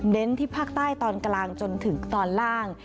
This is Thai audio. ที่ภาคใต้ตอนกลางจนถึงตอนล่าง